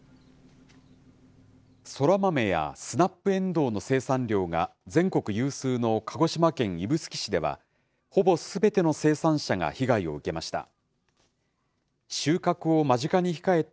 そら豆やスナップエンドウの生産量が全国有数の鹿児島県指宿市では、ほぼすべての生産者が被害を受けました。